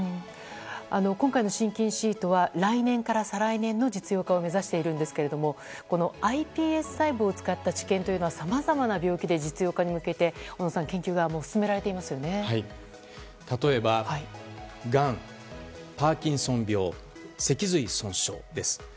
今回の心筋シートは来年から再来年の実用化を目指しているんですがこのｉＰＳ細胞を使った治験というのはさまざまな病気で実用化に向けて研究が例えば、がん、パーキンソン病脊髄損傷です。